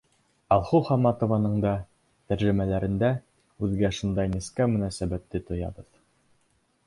Алһыу Хамматованың да тәржемәләрендә һүҙгә шундай нескә мөнәсәбәтте тоябыҙ.